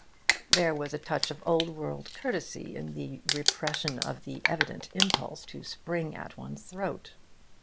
There was a touch of old world courtesy in the repression of the evident impulse to spring at one's throat.